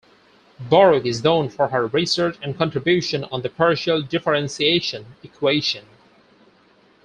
Borok is known for her research and contribution on the partial differentiation equation.